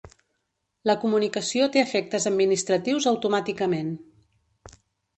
La comunicació té efectes administratius automàticament.